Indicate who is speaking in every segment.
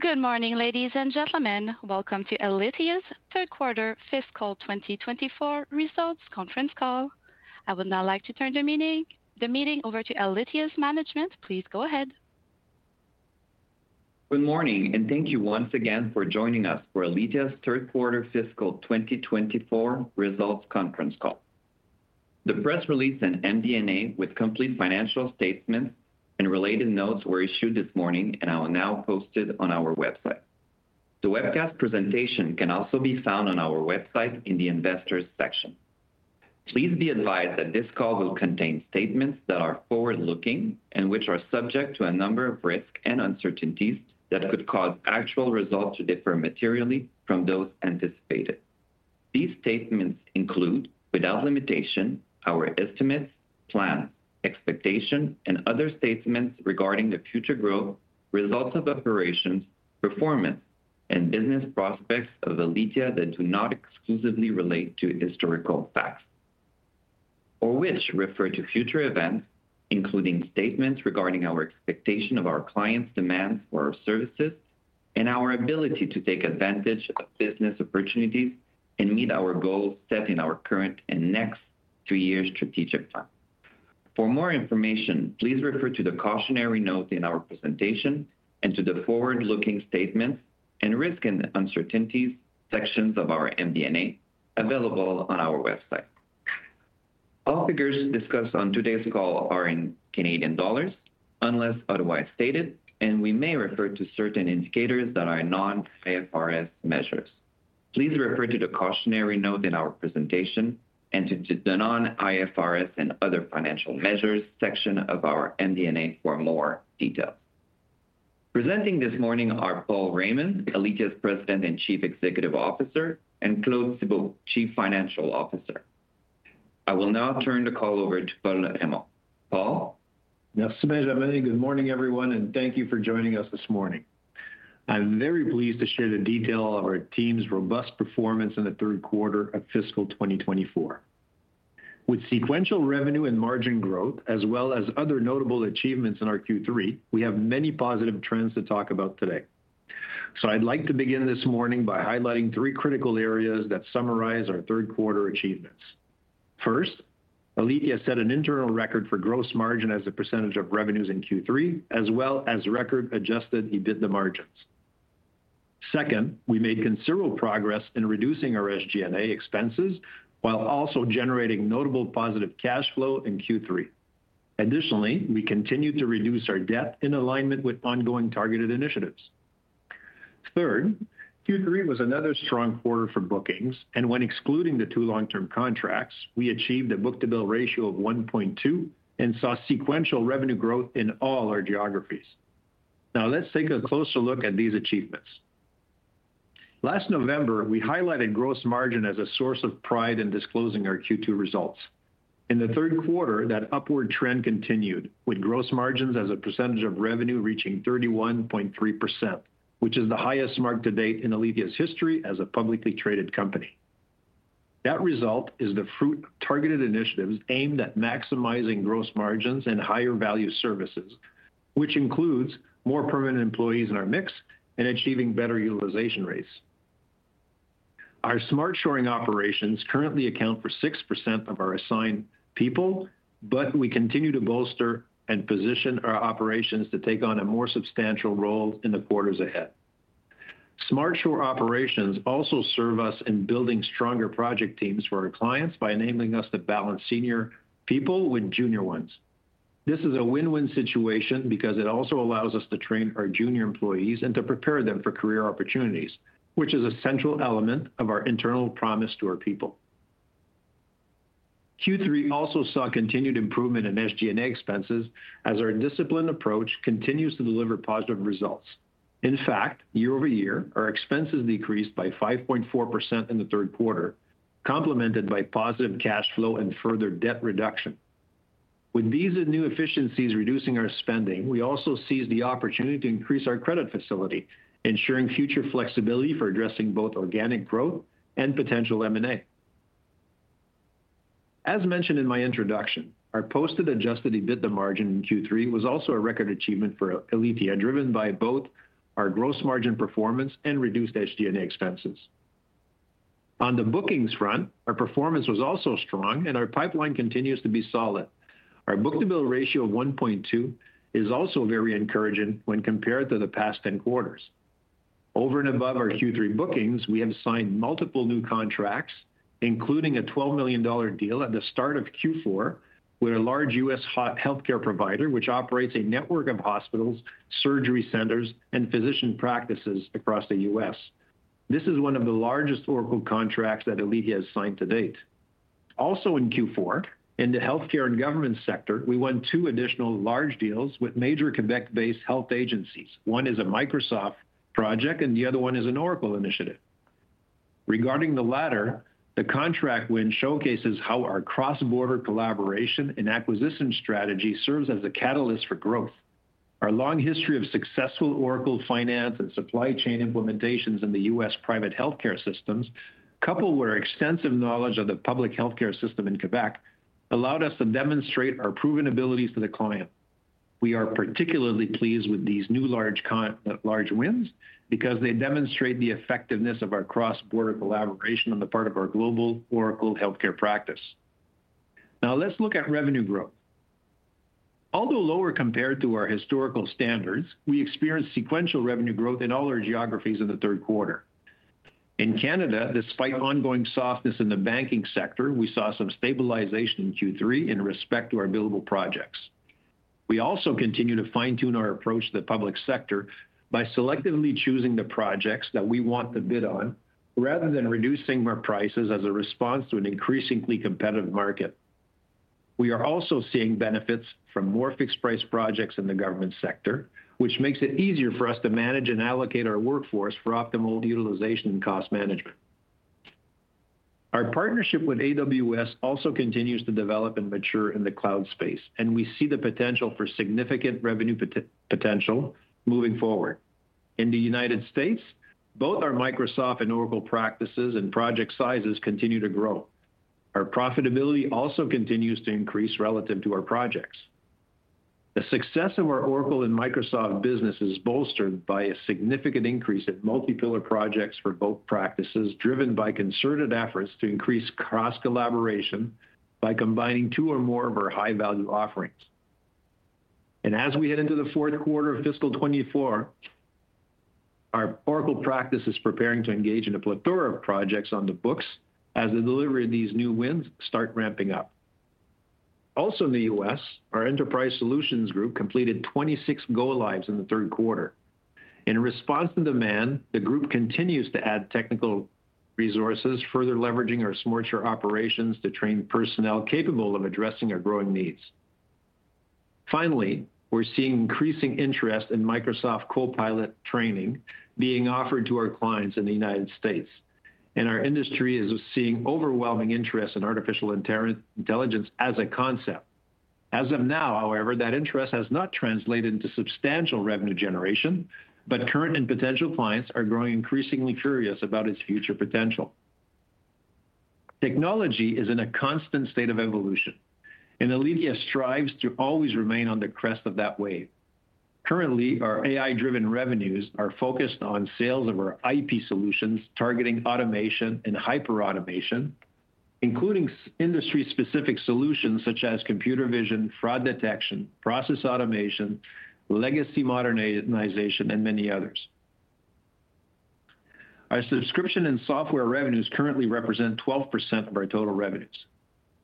Speaker 1: Good morning, ladies and gentlemen. Welcome to Alithya's third-quarter fiscal 2024 results conference call. I would now like to turn the meeting over to Alithya's management. Please go ahead.
Speaker 2: Good morning, and thank you once again for joining us for Alithya's third-quarter fiscal 2024 results conference call. The press release and MD&A with complete financial statements and related notes were issued this morning, and are now posted on our website. The webcast presentation can also be found on our website in the Investors section. Please be advised that this call will contain statements that are forward-looking and which are subject to a number of risks and uncertainties that could cause actual results to differ materially from those anticipated. These statements include, without limitation, our estimates, plans, expectations, and other statements regarding the future growth, results of operations, performance, and business prospects of Alithya that do not exclusively relate to historical facts, or which refer to future events, including statements regarding our expectation of our clients' demands for our services and our ability to take advantage of business opportunities and meet our goals set in our current and next three-year strategic plan. For more information, please refer to the cautionary note in our presentation and to the forward-looking statements and risk and uncertainties sections of our MD&A available on our website. All figures discussed on today's call are in Canadian dollars, unless otherwise stated, and we may refer to certain indicators that are non-IFRS measures. Please refer to the cautionary note in our presentation and to the non-IFRS and other financial measures section of our MD&A for more details. Presenting this morning are Paul Raymond, Alithya's President and Chief Executive Officer, and Claude Thibault, Chief Financial Officer. I will now turn the call over to Paul Raymond. Paul?
Speaker 3: Merci, Benjamin. Good morning, everyone, and thank you for joining us this morning. I'm very pleased to share the detail of our team's robust performance in the Q3 of fiscal 2024. With sequential revenue and margin growth, as well as other notable achievements in our Q3, we have many positive trends to talk about today. I'd like to begin this morning by highlighting three critical areas that summarize our third-quarter achievements. First, Alithya set an internal record for gross margin as a percentage of revenues in Q3, as well as record adjusted EBITDA margins. Second, we made considerable progress in reducing our SG&A expenses while also generating notable positive cash flow in Q3. Additionally, we continued to reduce our debt in alignment with ongoing targeted initiatives. Third, Q3 was another strong quarter for bookings, and when excluding the two long-term contracts, we achieved a book-to-bill ratio of 1.2 and saw sequential revenue growth in all our geographies. Now, let's take a closer look at these achievements. Last November, we highlighted gross margin as a source of pride in disclosing our Q2 results. In the Q3, that upward trend continued, with gross margins as a percentage of revenue reaching 31.3%, which is the highest mark to date in Alithya's history as a publicly traded company. That result is the fruit of targeted initiatives aimed at maximizing gross margins and higher-value services, which includes more permanent employees in our mix and achieving better utilization rates. Our smart shoring operations currently account for 6% of our assigned people, but we continue to bolster and position our operations to take on a more substantial role in the quarters ahead. Smart shoring operations also serve us in building stronger project teams for our clients by enabling us to balance senior people with junior ones. This is a win-win situation because it also allows us to train our junior employees and to prepare them for career opportunities, which is a central element of our internal promise to our people. Q3 also saw continued improvement in SG&A expenses as our disciplined approach continues to deliver positive results. In fact, year-over-year, our expenses decreased by 5.4% in the Q3, complemented by positive cash flow and further debt reduction. With these new efficiencies reducing our spending, we also seized the opportunity to increase our credit facility, ensuring future flexibility for addressing both organic growth and potential M&A. As mentioned in my introduction, our posted Adjusted EBITDA margin in Q3 was also a record achievement for Alithya, driven by both our gross margin performance and reduced SG&A expenses. On the bookings front, our performance was also strong, and our pipeline continues to be solid. Our book-to-bill ratio of 1.2 is also very encouraging when compared to the past 10 quarters. Over and above our Q3 bookings, we have signed multiple new contracts, including a $12 million deal at the start of Q4 with a large U.S. healthcare provider, which operates a network of hospitals, surgery centers, and physician practices across the U.S. This is one of the largest Oracle contracts that Alithya has signed to date. Also in Q4, in the healthcare and government sector, we won two additional large deals with major Quebec-based health agencies. One is a Microsoft project, and the other one is an Oracle initiative. Regarding the latter, the contract win showcases how our cross-border collaboration and acquisition strategy serves as a catalyst for growth. Our long history of successful Oracle finance and supply chain implementations in the U.S. private healthcare systems, coupled with our extensive knowledge of the public healthcare system in Quebec, allowed us to demonstrate our proven abilities to the client. We are particularly pleased with these new large wins because they demonstrate the effectiveness of our cross-border collaboration on the part of our global Oracle healthcare practice. Now, let's look at revenue growth. Although lower compared to our historical standards, we experienced sequential revenue growth in all our geographies in the Q3. In Canada, despite ongoing softness in the banking sector, we saw some stabilization in Q3 in respect to our billable projects. We also continue to fine-tune our approach to the public sector by selectively choosing the projects that we want to bid on rather than reducing our prices as a response to an increasingly competitive market. We are also seeing benefits from more fixed-price projects in the government sector, which makes it easier for us to manage and allocate our workforce for optimal utilization and cost management. Our partnership with AWS also continues to develop and mature in the cloud space, and we see the potential for significant revenue potential moving forward. In the United States, both our Microsoft and Oracle practices and project sizes continue to grow. Our profitability also continues to increase relative to our projects. The success of our Oracle and Microsoft business is bolstered by a significant increase in multi-pillar projects for both practices, driven by concerted efforts to increase cross-collaboration by combining two or more of our high-value offerings. As we head into the Q4 of fiscal 2024, our Oracle practice is preparing to engage in a plethora of projects on the books as the delivery of these new wins starts ramping up. Also in the U.S., our Enterprise Solutions Group completed 26 go-lives in the Q3. In response to demand, the group continues to add technical resources, further leveraging our smart shoring operations to train personnel capable of addressing our growing needs. Finally, we're seeing increasing interest in Microsoft Copilot training being offered to our clients in the United States, and our industry is seeing overwhelming interest in artificial intelligence as a concept. As of now, however, that interest has not translated into substantial revenue generation, but current and potential clients are growing increasingly curious about its future potential. Technology is in a constant state of evolution, and Alithya strives to always remain on the crest of that wave. Currently, our AI-driven revenues are focused on sales of our IP solutions targeting automation and hyper-automation, including industry-specific solutions such as computer vision, fraud detection, process automation, legacy modernization, and many others. Our subscription and software revenues currently represent 12% of our total revenues.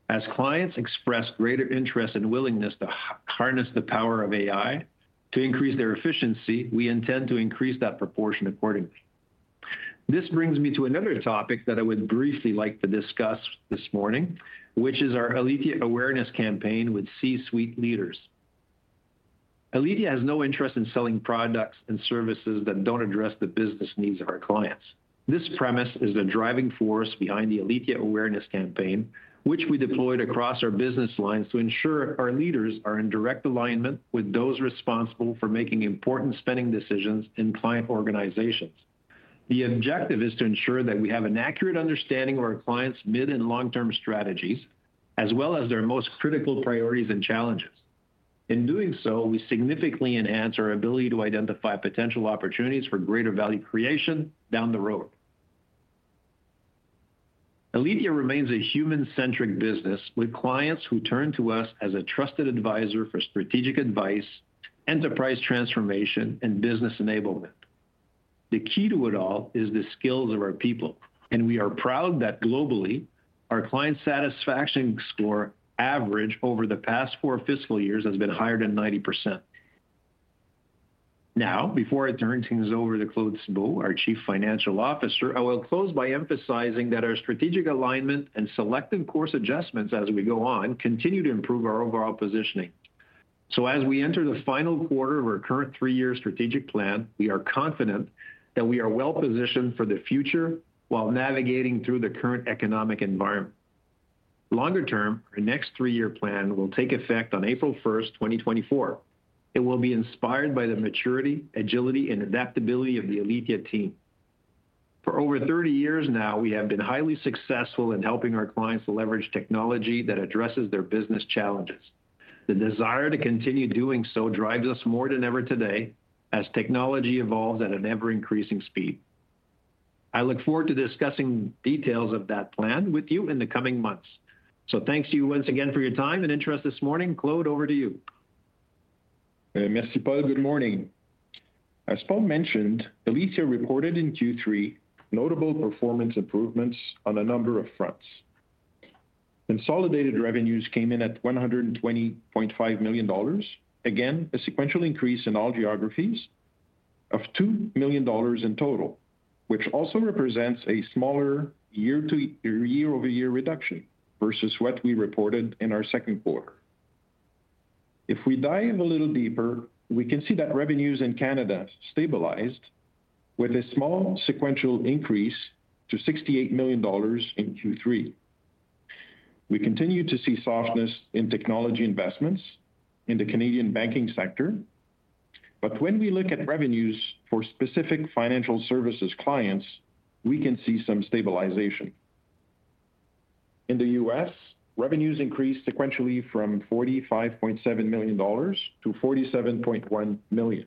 Speaker 3: As clients express greater interest and willingness to harness the power of AI to increase their efficiency, we intend to increase that proportion accordingly. This brings me to another topic that I would briefly like to discuss this morning, which is our Alithya awareness campaign with C-suite leaders. Alithya has no interest in selling products and services that don't address the business needs of our clients. This premise is the driving force behind the Alithya awareness campaign, which we deployed across our business lines to ensure our leaders are in direct alignment with those responsible for making important spending decisions in client organizations. The objective is to ensure that we have an accurate understanding of our clients' mid and long-term strategies, as well as their most critical priorities and challenges. In doing so, we significantly enhance our ability to identify potential opportunities for greater value creation down the road. Alithya remains a human-centric business with clients who turn to us as a trusted advisor for strategic advice, enterprise transformation, and business enablement. The key to it all is the skills of our people, and we are proud that globally, our client satisfaction score average over the past four fiscal years has been higher than 90%. Now, before I turn things over to Claude Thibault, our Chief Financial Officer, I will close by emphasizing that our strategic alignment and selective course adjustments as we go on continue to improve our overall positioning. So as we enter the final quarter of our current three-year strategic plan, we are confident that we are well-positioned for the future while navigating through the current economic environment. Longer term, our next three-year plan will take effect on April 1, 2024. It will be inspired by the maturity, agility, and adaptability of the Alithya team. For over 30 years now, we have been highly successful in helping our clients leverage technology that addresses their business challenges. The desire to continue doing so drives us more than ever today as technology evolves at an ever-increasing speed. I look forward to discussing details of that plan with you in the coming months. So thanks to you once again for your time and interest this morning. Claude, over to you.
Speaker 4: Merci, Paul. Good morning. As Paul mentioned, Alithya reported in Q3 notable performance improvements on a number of fronts. Consolidated revenues came in at 120.5 million dollars, again a sequential increase in all geographies, of 2 million dollars in total, which also represents a smaller year-over-year reduction versus what we reported in our Q2. If we dive a little deeper, we can see that revenues in Canada stabilized with a small sequential increase to 68 million dollars in Q3. We continue to see softness in technology investments in the Canadian banking sector, but when we look at revenues for specific financial services clients, we can see some stabilization. In the U.S., revenues increased sequentially from $45.7 million-$47.1 million.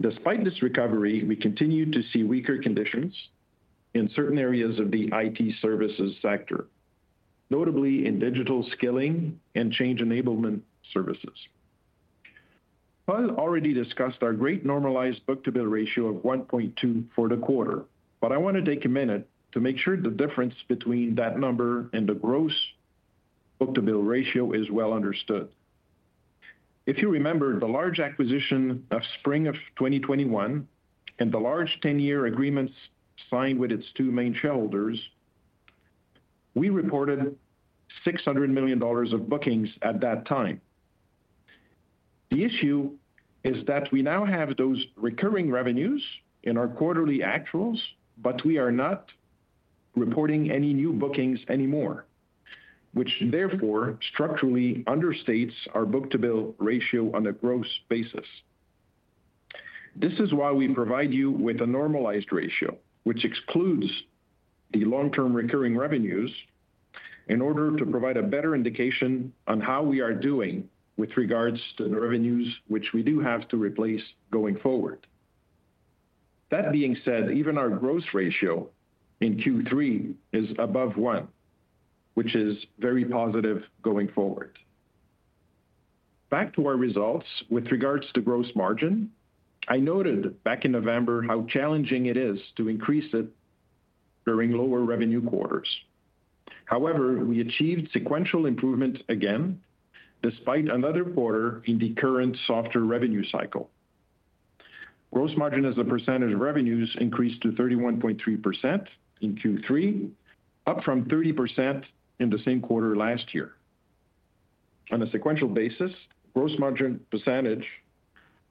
Speaker 4: Despite this recovery, we continue to see weaker conditions in certain areas of the IT services sector, notably in digital skilling and change enablement services. Paul already discussed our great normalized book-to-bill ratio of 1.2 for the quarter, but I want to take a minute to make sure the difference between that number and the gross book-to-bill ratio is well understood. If you remember the large acquisition of spring of 2021 and the large 10-year agreements signed with its two main shareholders, we reported $600 million of bookings at that time. The issue is that we now have those recurring revenues in our quarterly actuals, but we are not reporting any new bookings anymore, which therefore structurally understates our book-to-bill ratio on a gross basis. This is why we provide you with a normalized ratio, which excludes the long-term recurring revenues in order to provide a better indication on how we are doing with regards to the revenues which we do have to replace going forward. That being said, even our gross ratio in Q3 is above 1, which is very positive going forward. Back to our results with regards to gross margin, I noted back in November how challenging it is to increase it during lower revenue quarters. However, we achieved sequential improvement again despite another quarter in the current softer revenue cycle. Gross margin as a percentage of revenues increased to 31.3% in Q3, up from 30% in the same quarter last year. On a sequential basis, gross margin percentage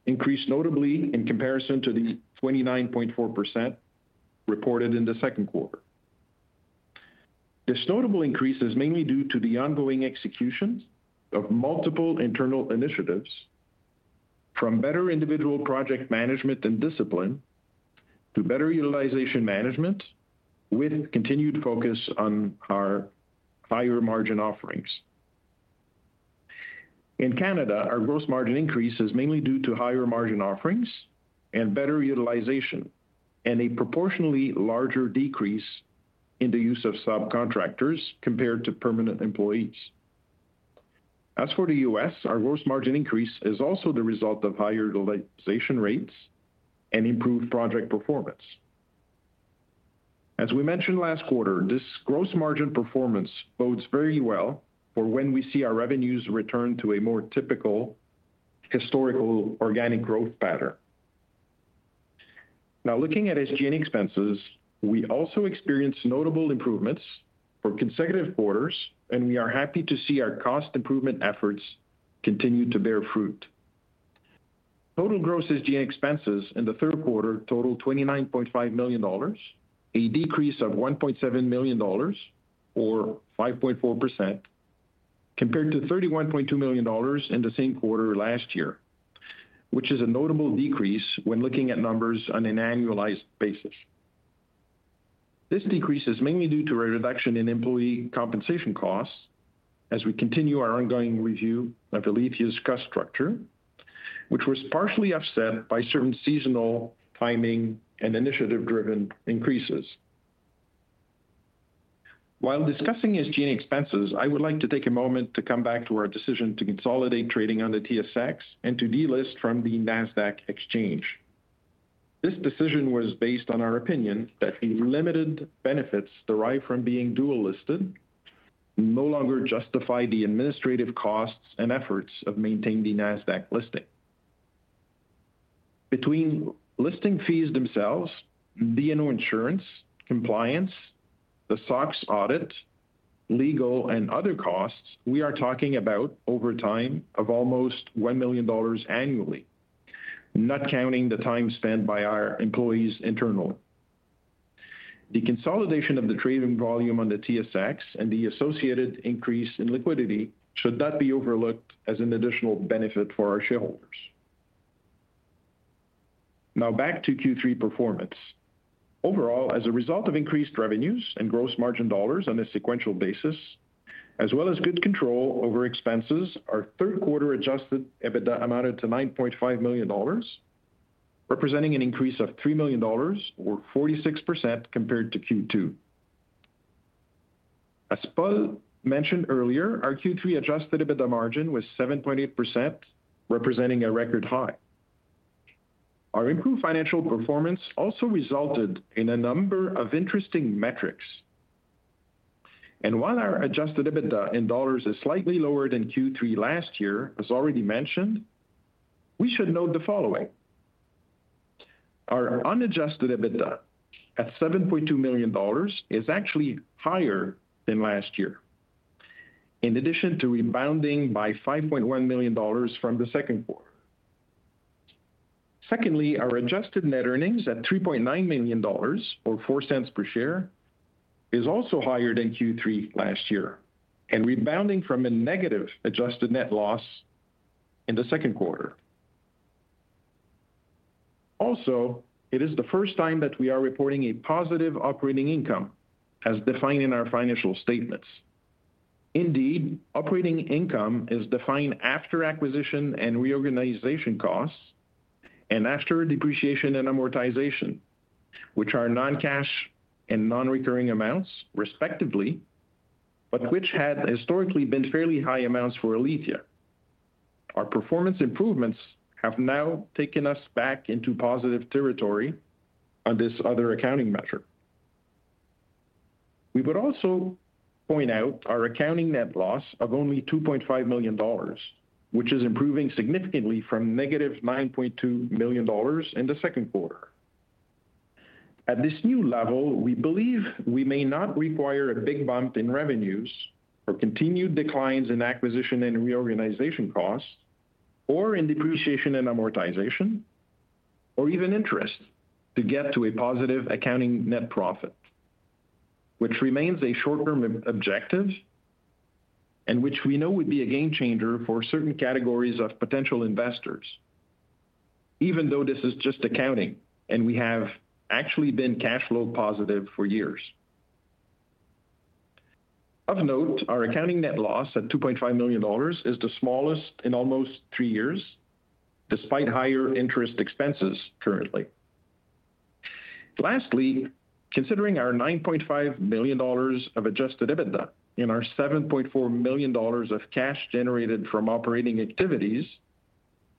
Speaker 4: increased notably in comparison to the 29.4% reported in the Q2. This notable increase is mainly due to the ongoing execution of multiple internal initiatives, from better individual project management and discipline to better utilization management with continued focus on our higher margin offerings. In Canada, our gross margin increase is mainly due to higher margin offerings and better utilization and a proportionally larger decrease in the use of subcontractors compared to permanent employees. As for the U.S., our gross margin increase is also the result of higher utilization rates and improved project performance. As we mentioned last quarter, this gross margin performance bodes very well for when we see our revenues return to a more typical historical organic growth pattern. Now, looking at SG&A expenses, we also experienced notable improvements for consecutive quarters, and we are happy to see our cost improvement efforts continue to bear fruit. Total gross SG&A expenses in the Q3 totaled 29.5 million dollars, a decrease of 1.7 million dollars or 5.4% compared to 31.2 million dollars in the same quarter last year, which is a notable decrease when looking at numbers on an annualized basis. This decrease is mainly due to a reduction in employee compensation costs as we continue our ongoing review of Alithya's cost structure, which was partially offset by certain seasonal timing and initiative-driven increases. While discussing SG&A expenses, I would like to take a moment to come back to our decision to consolidate trading on the TSX and to delist from the NASDAQ exchange. This decision was based on our opinion that the limited benefits derived from being dual-listed no longer justify the administrative costs and efforts of maintaining the NASDAQ listing. Between listing fees themselves, D&O insurance, compliance, the SOX audit, legal, and other costs, we are talking about over time of almost $1 million annually, not counting the time spent by our employees internally. The consolidation of the trading volume on the TSX and the associated increase in liquidity should not be overlooked as an additional benefit for our shareholders. Now, back to Q3 performance. Overall, as a result of increased revenues and gross margin dollars on a sequential basis, as well as good control over expenses, our Q3 Adjusted EBITDA amounted to 9.5 million dollars, representing an increase of 3 million dollars or 46% compared to Q2. As Paul mentioned earlier, our Q3 Adjusted EBITDA margin was 7.8%, representing a record high. Our improved financial performance also resulted in a number of interesting metrics. And while our adjusted EBITDA in dollars is slightly lower than Q3 last year, as already mentioned, we should note the following. Our unadjusted EBITDA at 7.2 million dollars is actually higher than last year, in addition to rebounding by 5.1 million dollars from the Q2. Secondly, our adjusted net earnings at 3.9 million dollars or 0.04 per share is also higher than Q3 last year and rebounding from a negative adjusted net loss in the Q2. Also, it is the first time that we are reporting a positive operating income as defined in our financial statements. Indeed, operating income is defined after acquisition and reorganization costs and after depreciation and amortization, which are non-cash and non-recurring amounts, respectively, but which had historically been fairly high amounts for Alithya. Our performance improvements have now taken us back into positive territory on this other accounting measure. We would also point out our accounting net loss of only 2.5 million dollars, which is improving significantly from negative 9.2 million dollars in the Q2. At this new level, we believe we may not require a big bump in revenues for continued declines in acquisition and reorganization costs or in depreciation and amortization or even interest to get to a positive accounting net profit, which remains a short-term objective and which we know would be a game changer for certain categories of potential investors, even though this is just accounting and we have actually been cash flow positive for years. Of note, our accounting net loss at 2.5 million dollars is the smallest in almost three years, despite higher interest expenses currently. Lastly, considering our 9.5 million dollars of Adjusted EBITDA and our 7.4 million dollars of cash generated from operating activities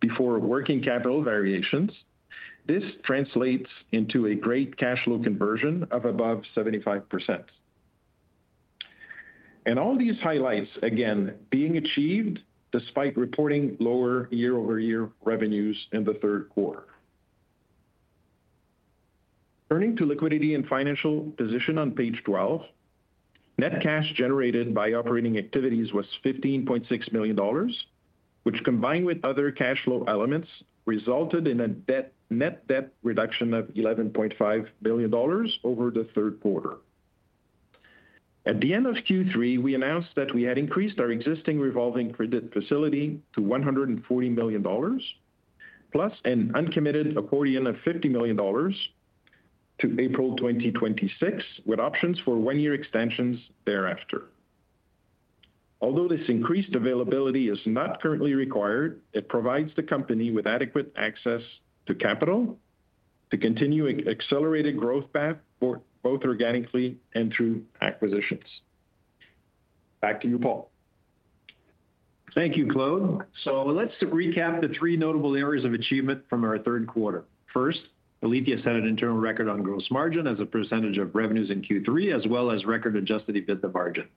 Speaker 4: before working capital variations, this translates into a great cash flow conversion of above 75%. All these highlights, again, being achieved despite reporting lower year-over-year revenues in the Q3. Turning to liquidity and financial position on page 12, net cash generated by operating activities was 15.6 million dollars, which combined with other cash flow elements resulted in a net debt reduction of 11.5 million dollars over the Q3. At the end of Q3, we announced that we had increased our existing revolving credit facility to 140 million dollars, plus an uncommitted accordion of 50 million dollars to April 2026 with options for one-year extensions thereafter. Although this increased availability is not currently required, it provides the company with adequate access to capital to continue an accelerated growth path both organically and through acquisitions. Back to you, Paul.
Speaker 3: Thank you, Claude. So let's recap the three notable areas of achievement from our Q3. First, Alithya set an internal record on gross margin as a percentage of revenues in Q3 as well as record adjusted EBITDA margin.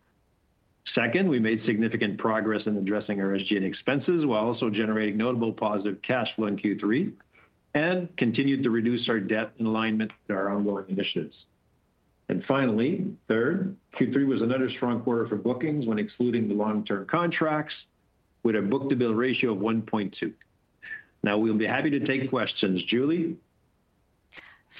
Speaker 3: Second, we made significant progress in addressing our SG&A expenses while also generating notable positive cash flow in Q3 and continued to reduce our debt in alignment to our ongoing initiatives. And finally, third, Q3 was another strong quarter for bookings when excluding the long-term contracts with a book-to-bill ratio of 1.2. Now, we'll be happy to take questions. Julie.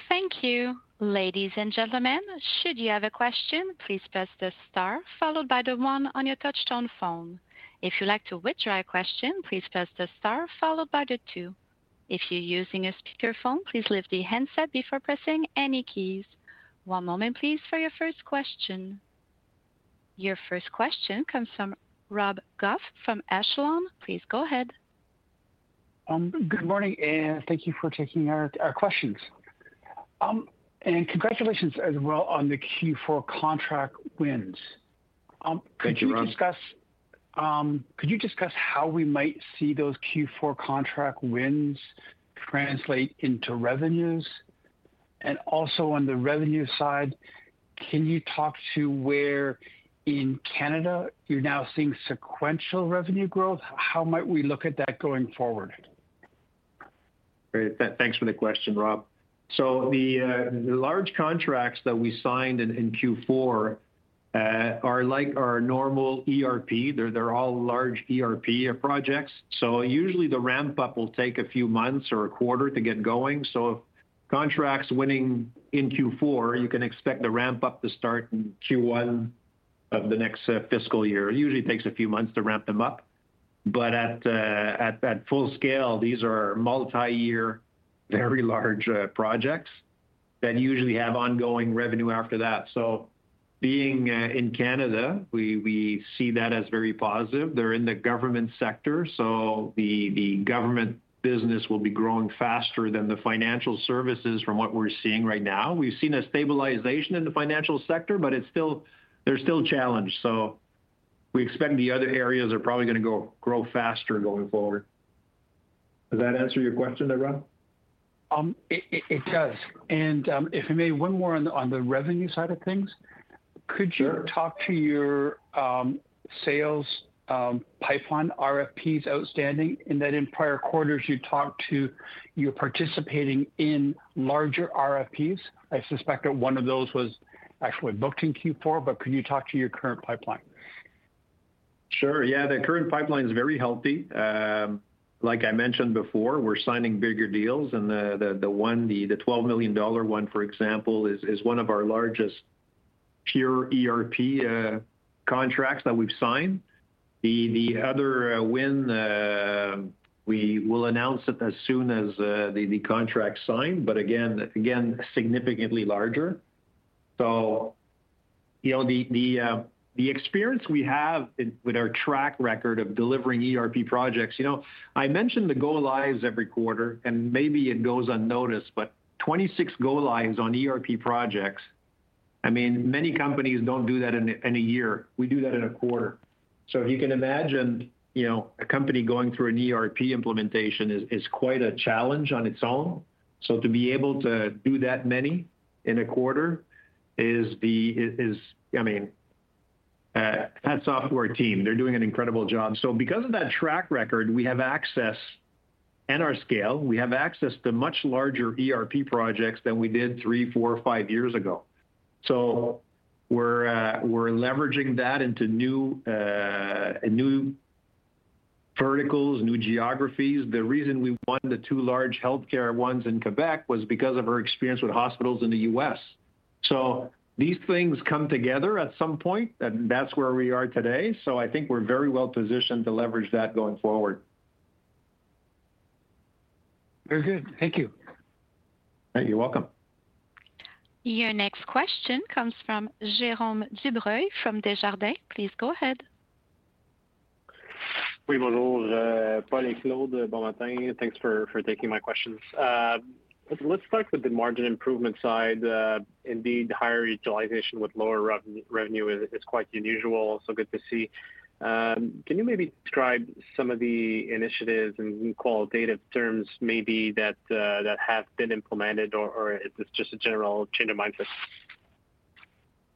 Speaker 1: Thank you, ladies and gentlemen. Should you have a question, please press the star followed by the one on your touch-tone phone. If you'd like to withdraw a question, please press the star followed by the two. If you're using a speakerphone, please lift the handset before pressing any keys. One moment, please, for your first question. Your first question comes from Rob Goff from Echelon. Please go ahead.
Speaker 5: Good morning and thank you for taking our questions. Congratulations as well on the Q4 contract wins. Could you discuss how we might see those Q4 contract wins translate into revenues? Also on the revenue side, can you talk to where in Canada you're now seeing sequential revenue growth? How might we look at that going forward?
Speaker 3: Thanks for the question, Rob. So the large contracts that we signed in Q4 are like our normal ERP. They're all large ERP projects. So usually, the ramp-up will take a few months or a quarter to get going. So if contracts winning in Q4, you can expect the ramp-up to start in Q1 of the next fiscal year. It usually takes a few months to ramp them up. But at full scale, these are multi-year, very large projects that usually have ongoing revenue after that. So being in Canada, we see that as very positive. They're in the government sector, so the government business will be growing faster than the financial services from what we're seeing right now. We've seen a stabilization in the financial sector, but there's still challenge. So we expect the other areas are probably going to grow faster going forward. Does that answer your question, Rob?
Speaker 5: It does. And if you may, one more on the revenue side of things. Could you talk to your sales pipeline, RFPs outstanding? In that, in prior quarters, you talked to your participating in larger RFPs. I suspect that one of those was actually booked in Q4, but could you talk to your current pipeline?
Speaker 3: Sure. Yeah, the current pipeline is very healthy. Like I mentioned before, we're signing bigger deals. The $12 million one, for example, is one of our largest pure ERP contracts that we've signed. The other win, we will announce it as soon as the contract's signed, but again, significantly larger. The experience we have with our track record of delivering ERP projects, I mentioned the go-lives every quarter, and maybe it goes unnoticed, but 26 go-lives on ERP projects. I mean, many companies don't do that in a year. We do that in a quarter. So if you can imagine, a company going through an ERP implementation is quite a challenge on its own. To be able to do that many in a quarter is, I mean, that's hats off to our team. They're doing an incredible job. So because of that track record, we have access and our scale, we have access to much larger ERP projects than we did three, four, five years ago. So we're leveraging that into new verticals, new geographies. The reason we won the two large healthcare ones in Quebec was because of our experience with hospitals in the U.S. So these things come together at some point, and that's where we are today. So I think we're very well positioned to leverage that going forward.
Speaker 5: Very good. Thank you.
Speaker 3: You're welcome.
Speaker 1: Your next question comes from Jérôme Dubreuil from Desjardins. Please go ahead.
Speaker 6: Oui, bonjour. Paul and Claude, bon matin. Thanks for taking my questions. Let's start with the margin improvement side. Indeed, higher utilization with lower revenue is quite unusual. So good to see. Can you maybe describe some of the initiatives in qualitative terms maybe that have been implemented, or is this just a general change of mindset?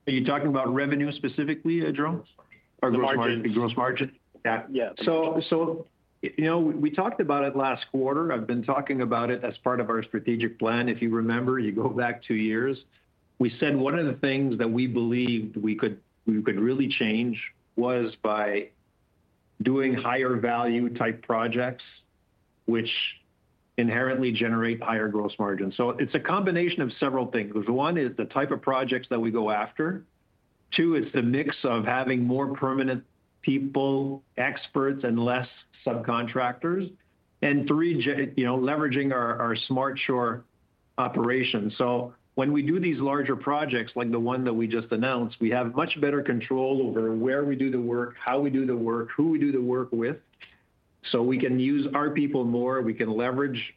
Speaker 5: Are you talking about revenue specifically, Jérome? Or gross margin?
Speaker 6: Gross margin. Yeah.
Speaker 3: So we talked about it last quarter. I've been talking about it as part of our strategic plan. If you remember, you go back two years, we said one of the things that we believed we could really change was by doing higher value type projects, which inherently generate higher gross margin. So it's a combination of several things. One is the type of projects that we go after. Two, it's the mix of having more permanent people, experts, and less subcontractors. And three, leveraging our smart shoring operations. So when we do these larger projects like the one that we just announced, we have much better control over where we do the work, how we do the work, who we do the work with. So we can use our people more. We can leverage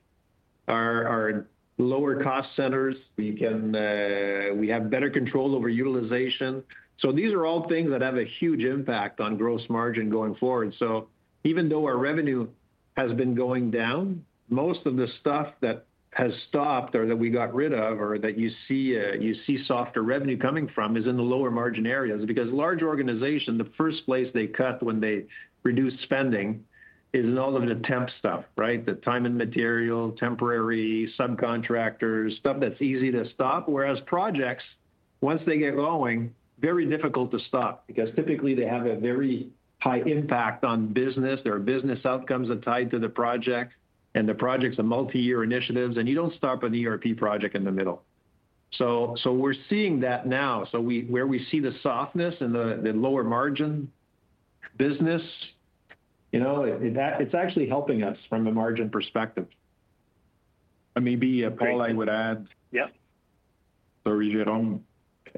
Speaker 3: our lower cost centers. We have better control over utilization. So these are all things that have a huge impact on gross margin going forward. So even though our revenue has been going down, most of the stuff that has stopped or that we got rid of or that you see softer revenue coming from is in the lower margin areas because large organizations, the first place they cut when they reduce spending is in all of the temp stuff, right? The time and material, temporary subcontractors, stuff that's easy to stop. Whereas projects, once they get going, very difficult to stop because typically, they have a very high impact on business. There are business outcomes that tie to the project, and the projects are multi-year initiatives. And you don't stop an ERP project in the middle. So we're seeing that now. Where we see the softness in the lower margin business, it's actually helping us from a margin perspective. I mean, maybe
Speaker 4: Paul, I would add.
Speaker 6: Yep. Sorry, Jérôme.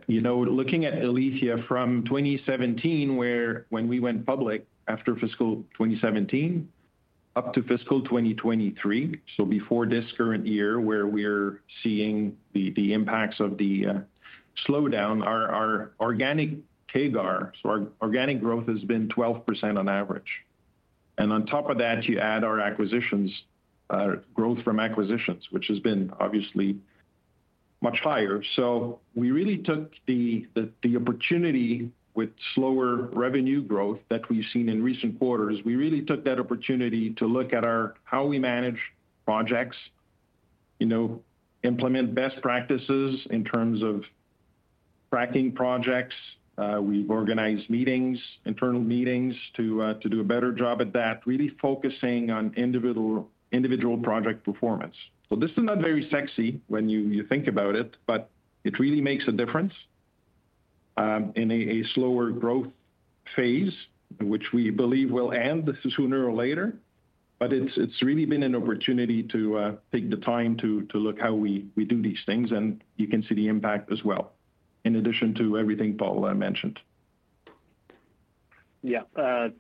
Speaker 6: Looking at Alithya from 2017, when we went public after fiscal 2017 up to fiscal 2023, so before this current year where we're seeing the impacts of the slowdown, our organic CAGR, so our organic growth has been 12% on average. And on top of that, you add our growth from acquisitions, which has been obviously much higher. So we really took the opportunity with slower revenue growth that we've seen in recent quarters. We really took that opportunity to look at how we manage projects, implement best practices in terms of tracking projects. We've organized internal meetings to do a better job at that, really focusing on individual project performance. So this is not very sexy when you think about it, but it really makes a difference in a slower growth phase, which we believe will end sooner or later. It's really been an opportunity to take the time to look how we do these things. You can see the impact as well in addition to everything Paul mentioned. Yeah.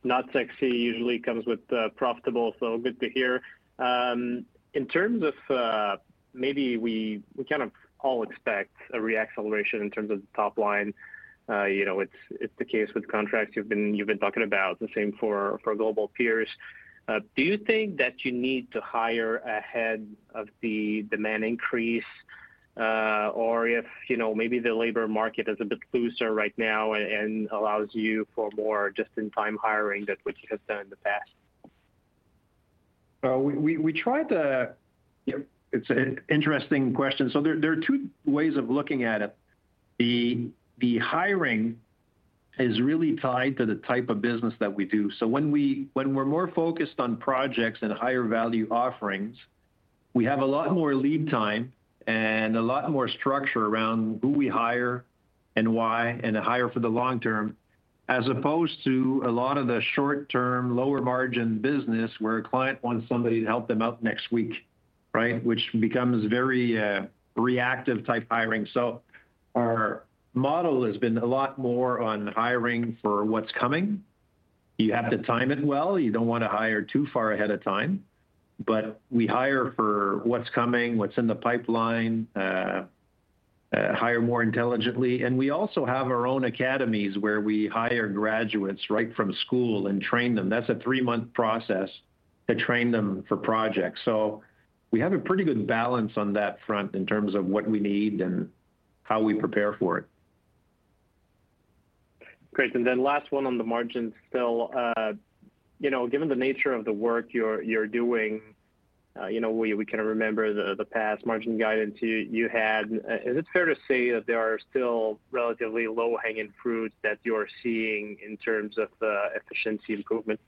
Speaker 6: Not sexy usually comes with profitable. So good to hear. In terms of, maybe we kind of all expect a reacceleration in terms of the top line. It's the case with contracts you've been talking about. The same for global peers. Do you think that you need to hire ahead of the demand increase or if maybe the labor market is a bit looser right now and allows you for more just-in-time hiring than what you have done in the past?
Speaker 3: It's an interesting question. So there are two ways of looking at it. The hiring is really tied to the type of business that we do. So when we're more focused on projects and higher value offerings, we have a lot more lead time and a lot more structure around who we hire and why and hire for the long term as opposed to a lot of the short-term, lower-margin business where a client wants somebody to help them out next week, right? Which becomes very reactive type hiring. So our model has been a lot more on hiring for what's coming. You have to time it well. You don't want to hire too far ahead of time. But we hire for what's coming, what's in the pipeline, hire more intelligently. We also have our own academies where we hire graduates right from school and train them. That's a three-month process to train them for projects. We have a pretty good balance on that front in terms of what we need and how we prepare for it.
Speaker 6: Great. Then last one on the margins still. Given the nature of the work you're doing, we kind of remember the past margin guidance you had. Is it fair to say that there are still relatively low-hanging fruits that you're seeing in terms of the efficiency improvement?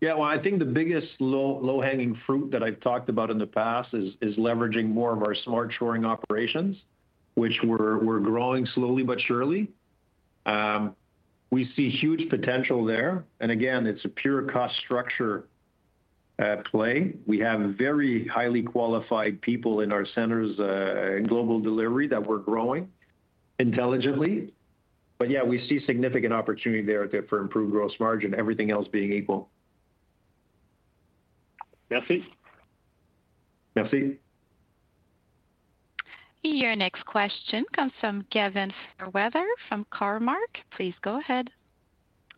Speaker 3: Yeah. Well, I think the biggest low-hanging fruit that I've talked about in the past is leveraging more of our smart shoring operations, which we're growing slowly but surely. We see huge potential there. And again, it's a pure cost structure play. We have very highly qualified people in our centers in global delivery that we're growing intelligently. But yeah, we see significant opportunity there for improved gross margin, everything else being equal.
Speaker 6: Merci.
Speaker 3: Merci.
Speaker 1: Your next question comes from Gavin Fairweather from Cormark. Please go ahead.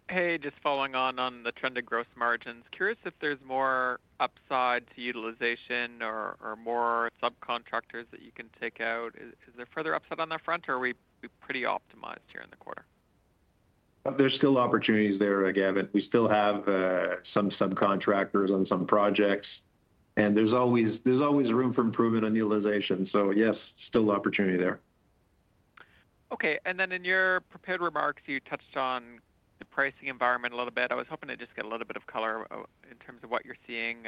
Speaker 7: Hey, just following on the trend of gross margins. Curious if there's more upside to utilization or more subcontractors that you can take out. Is there further upside on that front, or are we pretty optimized here in the quarter?
Speaker 3: There's still opportunities there, Gavin. We still have some subcontractors on some projects. There's always room for improvement on utilization. Yes, still opportunity there.
Speaker 7: Okay. And then in your prepared remarks, you touched on the pricing environment a little bit. I was hoping to just get a little bit of color in terms of what you're seeing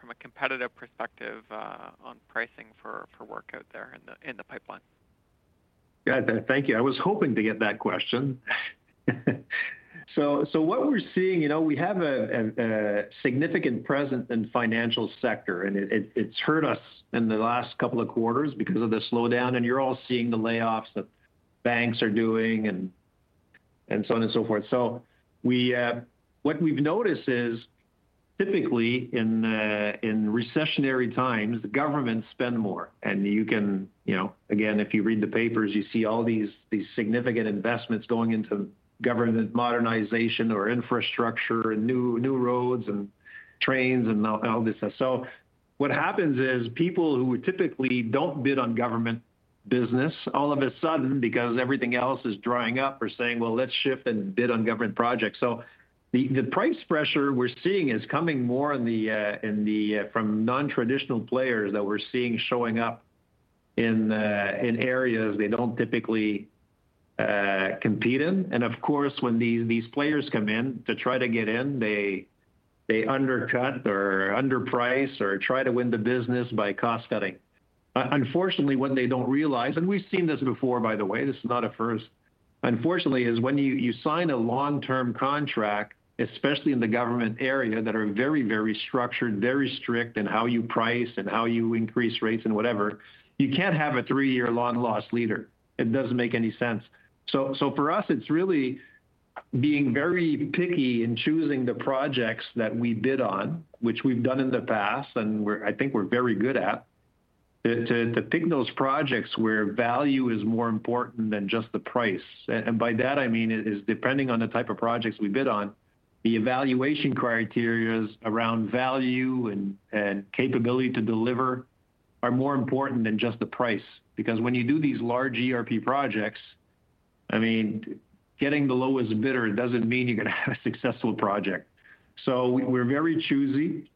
Speaker 7: from a competitive perspective on pricing for work out there in the pipeline.
Speaker 3: Yeah. Thank you. I was hoping to get that question. What we're seeing, we have a significant presence in the financial sector. It's hurt us in the last couple of quarters because of the slowdown. You're all seeing the layoffs that banks are doing and so on and so forth. What we've noticed is typically, in recessionary times, the governments spend more. Again, if you read the papers, you see all these significant investments going into government modernization or infrastructure and new roads and trains and all this stuff. What happens is people who typically don't bid on government business, all of a sudden, because everything else is drying up, are saying, "Well, let's shift and bid on government projects." The price pressure we're seeing is coming more from non-traditional players that we're seeing showing up in areas they don't typically compete in. And of course, when these players come in to try to get in, they undercut or underprice or try to win the business by cost-cutting. Unfortunately, what they don't realize and we've seen this before, by the way. This is not a first. Unfortunately, is when you sign a long-term contract, especially in the government area that are very, very structured, very strict in how you price and how you increase rates and whatever, you can't have a three-year loss leader. It doesn't make any sense. So for us, it's really being very picky in choosing the projects that we bid on, which we've done in the past and I think we're very good at, to pick those projects where value is more important than just the price. By that, I mean, depending on the type of projects we bid on, the evaluation criteria around value and capability to deliver are more important than just the price. Because when you do these large ERP projects, I mean, getting the lowest bidder doesn't mean you're going to have a successful project. We're very choosy.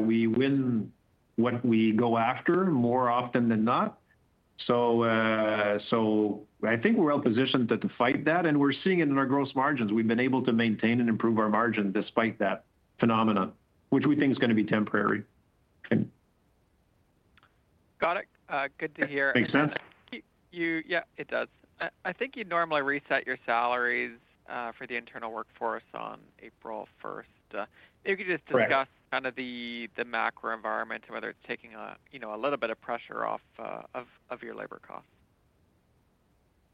Speaker 3: We win what we go after more often than not. I think we're well positioned to fight that. We're seeing it in our gross margins. We've been able to maintain and improve our margin despite that phenomenon, which we think is going to be temporary.
Speaker 7: Got it. Good to hear.
Speaker 3: Makes sense.
Speaker 7: Yeah, it does. I think you normally reset your salaries for the internal workforce on April 1st. If you could just discuss kind of the macro environment and whether it's taking a little bit of pressure off of your labor costs.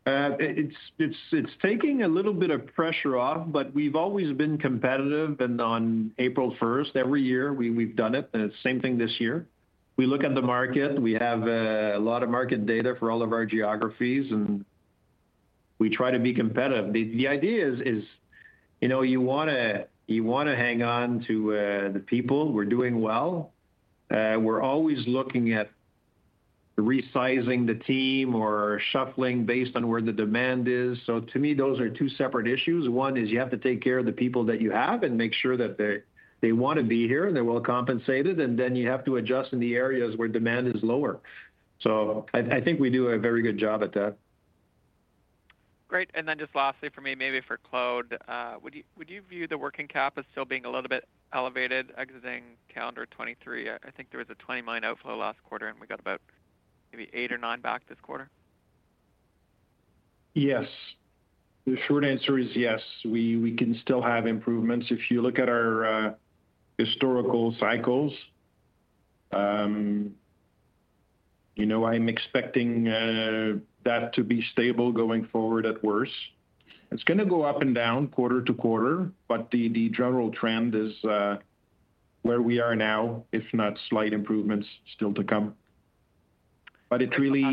Speaker 3: It's taking a little bit of pressure off, but we've always been competitive. On April 1st, every year, we've done it. Same thing this year. We look at the market. We have a lot of market data for all of our geographies. We try to be competitive. The idea is you want to hang on to the people. We're doing well. We're always looking at resizing the team or shuffling based on where the demand is. To me, those are two separate issues. One is you have to take care of the people that you have and make sure that they want to be here and they're well compensated. Then you have to adjust in the areas where demand is lower. I think we do a very good job at that.
Speaker 7: Great. Then just lastly for me, maybe for Claude, would you view the working cap as still being a little bit elevated exiting calendar 2023? I think there was a 20 million outflow last quarter, and we got about maybe 8 or 9 million back this quarter.
Speaker 4: Yes. The short answer is yes. We can still have improvements. If you look at our historical cycles, I'm expecting that to be stable going forward at worst. It's going to go up and down quarter to quarter, but the general trend is where we are now, if not slight improvements still to come. But it really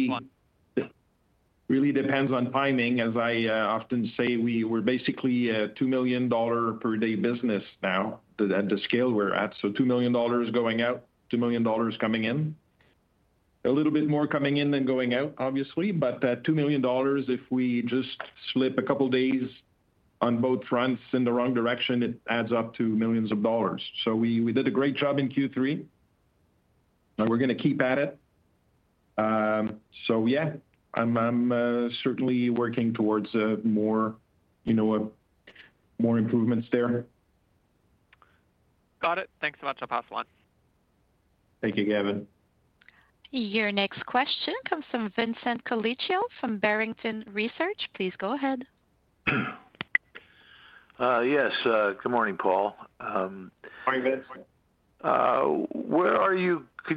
Speaker 4: depends on timing. As I often say, we're basically a 2 million dollar per day business now at the scale we're at. So 2 million dollars going out, 2 million dollars coming in. A little bit more coming in than going out, obviously. But 2 million dollars, if we just slip a couple of days on both fronts in the wrong direction, it adds up to millions of dollars. So we did a great job in Q3, and we're going to keep at it. So yeah, I'm certainly working towards more improvements there.
Speaker 7: Got it. Thanks so much, I'll pass the line.
Speaker 3: Thank you, Gavin.
Speaker 1: Your next question comes from Vincent Colicchio from Barrington Research. Please go ahead.
Speaker 8: Yes. Good morning, Paul.
Speaker 3: Morning, Vince.
Speaker 8: Could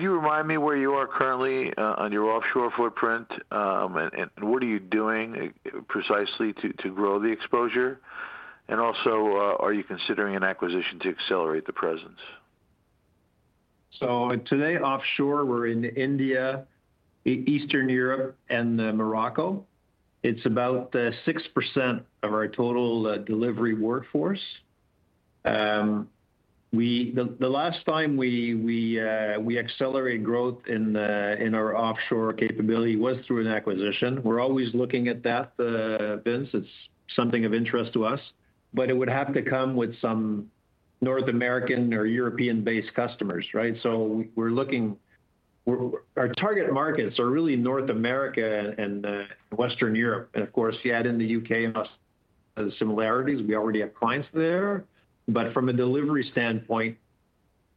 Speaker 8: you remind me where you are currently on your offshore footprint? And what are you doing precisely to grow the exposure? And also, are you considering an acquisition to accelerate the presence?
Speaker 3: So today, offshore, we're in India, Eastern Europe, and Morocco. It's about 6% of our total delivery workforce. The last time we accelerated growth in our offshore capability was through an acquisition. We're always looking at that, Vince. It's something of interest to us. But it would have to come with some North American or European-based customers, right? So our target markets are really North America and Western Europe. And of course, yet in the U.K., similarities. We already have clients there. But from a delivery standpoint,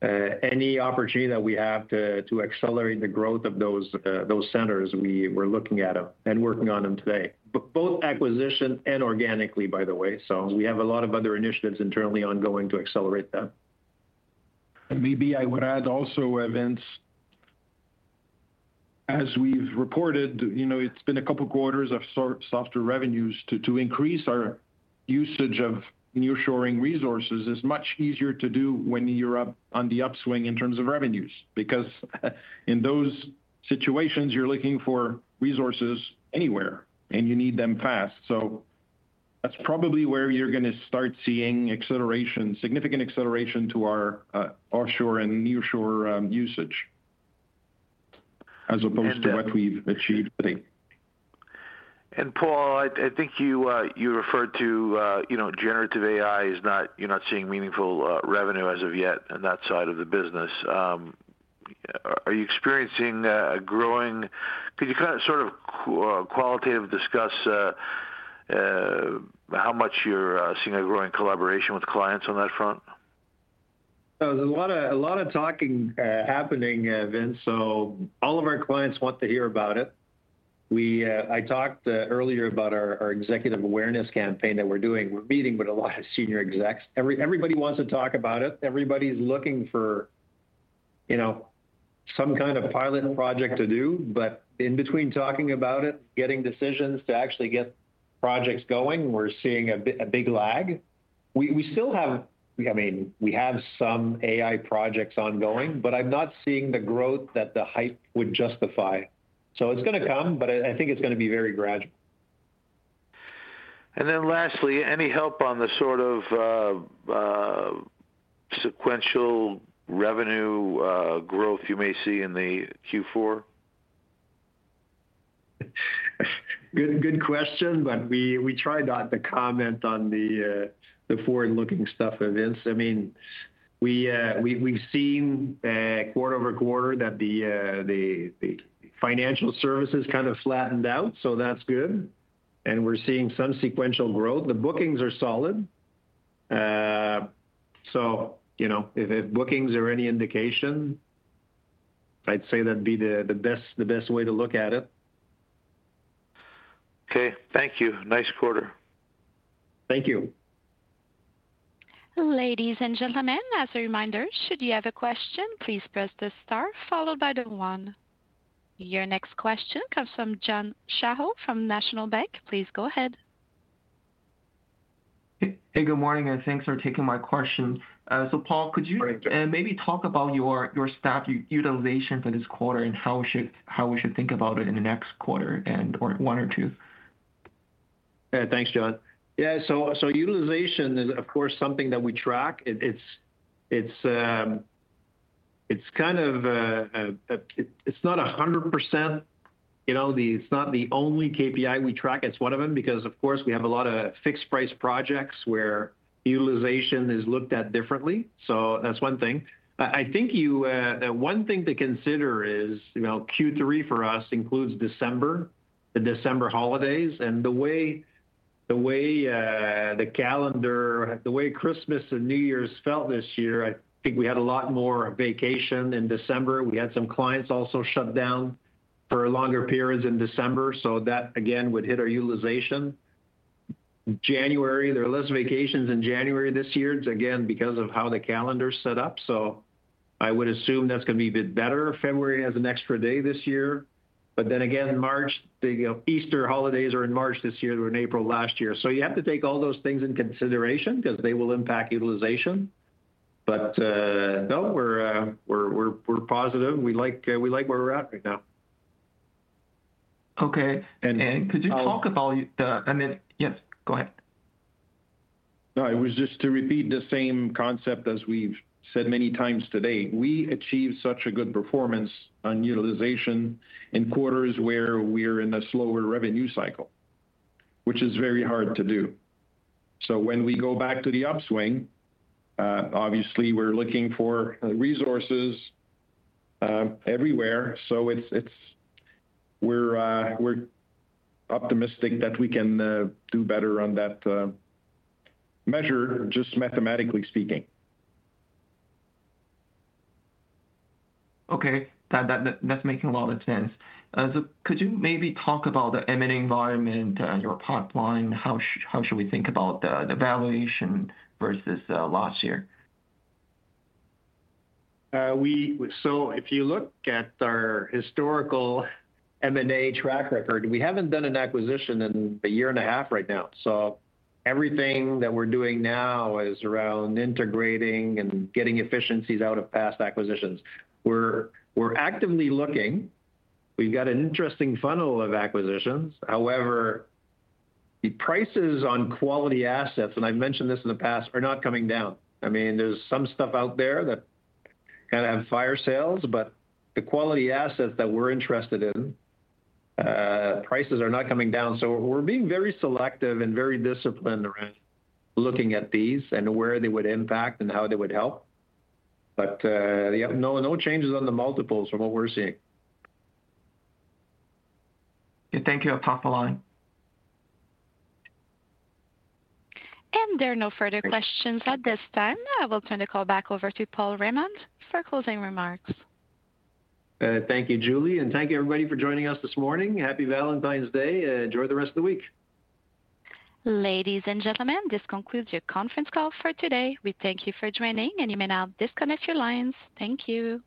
Speaker 3: any opportunity that we have to accelerate the growth of those centers, we're looking at them and working on them today, both acquisition and organically, by the way. So we have a lot of other initiatives internally ongoing to accelerate that.
Speaker 4: Maybe I would add also, Vince, as we've reported, it's been a couple of quarters of softer revenues. To increase our usage of nearshoring resources, it's much easier to do when you're on the upswing in terms of revenues because in those situations, you're looking for resources anywhere, and you need them fast. So that's probably where you're going to start seeing significant acceleration to our offshore and nearshore usage as opposed to what we've achieved today.
Speaker 8: And Paul, I think you referred to generative AI. You're not seeing meaningful revenue as of yet on that side of the business. Could you kind of sort of qualitatively discuss how much you're seeing a growing collaboration with clients on that front?
Speaker 3: There's a lot of talking happening, Vince. So all of our clients want to hear about it. I talked earlier about our executive awareness campaign that we're doing. We're meeting with a lot of senior execs. Everybody wants to talk about it. Everybody's looking for some kind of pilot project to do. But in between talking about it, getting decisions to actually get projects going, we're seeing a big lag. I mean, we have some AI projects ongoing, but I'm not seeing the growth that the hype would justify. So it's going to come, but I think it's going to be very gradual.
Speaker 8: Then lastly, any help on the sort of sequential revenue growth you may see in the Q4?
Speaker 3: Good question, but we try not to comment on the forward-looking stuff of Vince. I mean, we've seen quarter-over-quarter that the financial services kind of flattened out. So that's good. And we're seeing some sequential growth. The bookings are solid. So if bookings are any indication, I'd say that'd be the best way to look at it.
Speaker 8: Okay. Thank you. Nice quarter.
Speaker 3: Thank you.
Speaker 1: Ladies and gentlemen, as a reminder, should you have a question, please press the star followed by the 1. Your next question comes from John Shao from National Bank. Please go ahead.
Speaker 9: Hey, good morning. Thanks for taking my question. Paul, could you maybe talk about your staff utilization for this quarter and how we should think about it in the next quarter or one or two?
Speaker 3: Thanks, John. Yeah. So utilization is, of course, something that we track. It's kind of, it's not 100%. It's not the only KPI we track. It's one of them because, of course, we have a lot of fixed-price projects where utilization is looked at differently. So that's one thing. I think one thing to consider is Q3 for us includes December, the December holidays. And the way the calendar, the way Christmas and New Year's felt this year, I think we had a lot more vacation in December. We had some clients also shut down for longer periods in December. So that, again, would hit our utilization. There are less vacations in January this year, again, because of how the calendar is set up. So I would assume that's going to be a bit better. February has an extra day this year. But then again, Easter holidays are in March this year than April last year. So you have to take all those things into consideration because they will impact utilization. But no, we're positive. We like where we're at right now.
Speaker 9: Okay. And could you talk about the, I mean, yes. Go ahead.
Speaker 4: No, it was just to repeat the same concept as we've said many times today. We achieve such a good performance on utilization in quarters where we're in a slower revenue cycle, which is very hard to do. So when we go back to the upswing, obviously, we're looking for resources everywhere. So we're optimistic that we can do better on that measure, just mathematically speaking.
Speaker 9: Okay. That's making a lot of sense. Could you maybe talk about the M&A environment, your pipeline, how should we think about the valuation versus last year?
Speaker 3: So if you look at our historical M&A track record, we haven't done an acquisition in a year and a half right now. So everything that we're doing now is around integrating and getting efficiencies out of past acquisitions. We're actively looking. We've got an interesting funnel of acquisitions. However, the prices on quality assets - and I've mentioned this in the past - are not coming down. I mean, there's some stuff out there that kind of have fire sales, but the quality assets that we're interested in, prices are not coming down. So we're being very selective and very disciplined around looking at these and where they would impact and how they would help. But no changes on the multiples from what we're seeing.
Speaker 9: Thank you, I'll pass the line.
Speaker 1: There are no further questions at this time. I will turn the call back over to Paul Raymond for closing remarks.
Speaker 3: Thank you, Julie. Thank you, everybody, for joining us this morning. Happy Valentine's Day. Enjoy the rest of the week.
Speaker 1: Ladies and gentlemen, this concludes your conference call for today. We thank you for joining, and you may now disconnect your lines. Thank you.